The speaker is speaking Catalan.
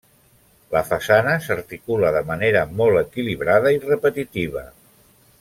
La façana s'articula de manera molt equilibrada i repetitiva.